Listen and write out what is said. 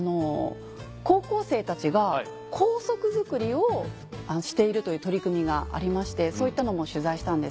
高校生たちが校則づくりをしているという取り組みがありましてそういったのも取材したんですけど。